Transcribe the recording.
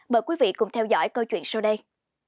mời quý vị cùng theo dõi câu chuyện sau đây